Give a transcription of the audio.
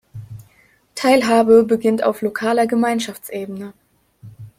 Teilhabe beginnt auf lokaler Gemeinschaftsebene.